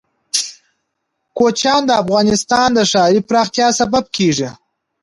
کوچیان د افغانستان د ښاري پراختیا سبب کېږي.